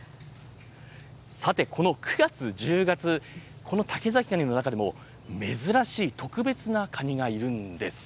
さて、この９月、１０月、この竹崎ガニの中でも珍しい特別なカニがいるんです。